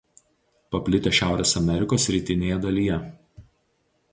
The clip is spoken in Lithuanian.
Paplitę Šiaurės Amerikos rytinėje dalyje.